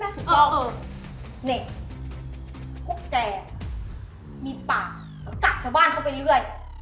พวกแกมีปากก็กัดชาวบ้านเข้าไปเรื่อย